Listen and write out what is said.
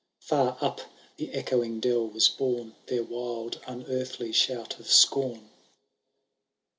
Far up the echoing dell was borne Their wild unearthly shout of scorn.